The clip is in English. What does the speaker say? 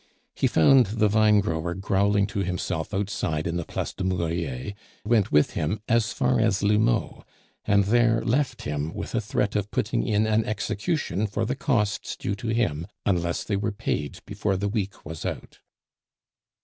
He found the vinegrower growling to himself outside in the Place du Murier, went with him as far as L'Houmeau, and there left him with a threat of putting in an execution for the costs due to him unless they were paid before the week was out.